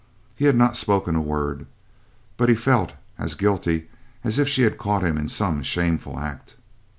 He had not spoken a word, but he felt as guilty as if she had caught him in some shameful act.